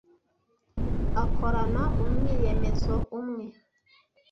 Akorana umwiyemezo umwe.